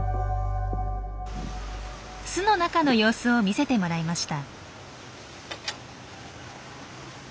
巣の中の様子を見せてもらいました。